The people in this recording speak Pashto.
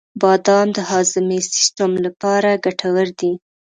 • بادام د هاضمې سیسټم لپاره ګټور دي.